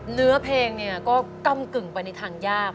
เนื้อเพลงเนี่ยก็กำกึ่งไปในทางยาก